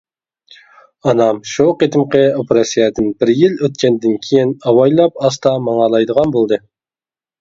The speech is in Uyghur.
ئانام شۇ قېتىمقى ئوپېراتسىيەدىن بىر يىل ئۆتكەندىن كېيىن ئاۋايلاپ ئاستا ماڭالايدىغان بولدى.